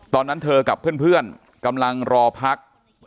ตอนนั้นเธอกับเพื่อนกำลังรอพัก